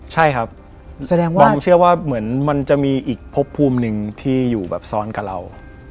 ใช่ครับแสดงว่าผมเชื่อว่าเหมือนมันจะมีอีกพบภูมิหนึ่งที่อยู่แบบซ้อนกับเรา